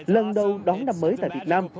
lần đầu đón năm mới tại việt nam